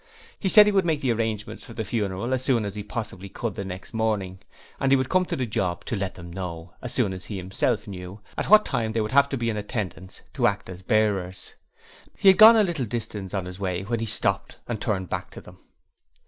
He said he would make the arrangements for the funeral as soon as he possibly could the next morning, and he would come to the job and let them know, as soon as he knew himself, at what time they would have to be in attendance to act as bearers. He had gone a little distance on his way when he stopped and turned back to them.